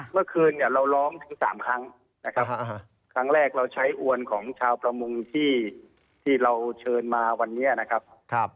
เมื่อคืนเนี่ยเราร้องถึง๓ครั้งนะครับครั้งแรกเราใช้อวนของชาวประมงที่เราเชิญมาวันนี้นะครับ